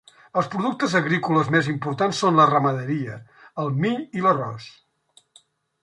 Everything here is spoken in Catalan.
Els productes agrícoles més importants són la ramaderia, el mill i l'arròs.